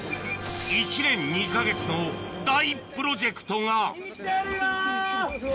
１年２か月の大プロジェクトが行ってるよ！